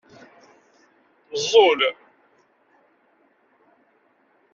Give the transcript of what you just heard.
Neẓẓul.